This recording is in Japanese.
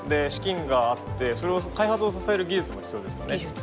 資金があって開発を支える技術も必要ですよね。